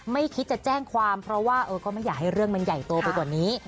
ไม่คิดจะแจ้งความเพราะว่าก็ไม่อยากให้เรื่องมันใหญ่โตไปกว่านี้